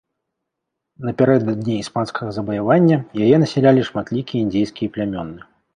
Напярэдадні іспанскага заваявання яе насялялі шматлікія індзейскія плямёны.